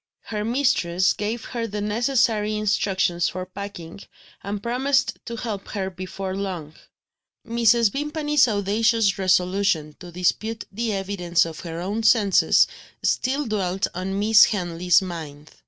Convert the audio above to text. Her mistress gave her the necessary instructions for packing, and promised to help her before long. Mrs. Vimpany's audacious resolution to dispute the evidence of her own senses, still dwelt on Miss Henley's mind.